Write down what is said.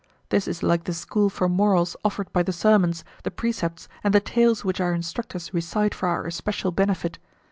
This is like the school for morals offered by the sermons, the precepts, and the tales which our instructors recite for our especial benefit.